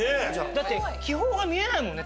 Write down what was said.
だって気泡が見えないもんね